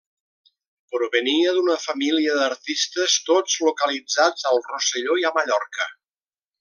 Provenia d'una família d'artistes tots localitzats al Rosselló i a Mallorca.